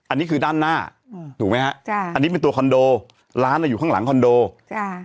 อันนี้คือด้านหน้าอืมถูกไหมฮะจ้ะอันนี้เป็นตัวคอนโดร้านอ่ะอยู่ข้างหลังคอนโดจ้ะ